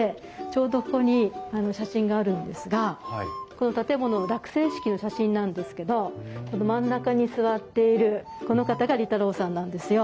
ちょうどここに写真があるんですがこの建物の落成式の写真なんですけどこの真ん中に座っているこの方が利太郎さんなんですよ。